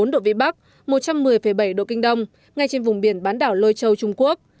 một mươi độ vĩ bắc một trăm một mươi bảy độ kinh đông ngay trên vùng biển bán đảo lôi châu trung quốc